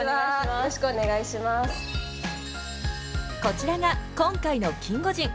こちらが今回のキンゴジン。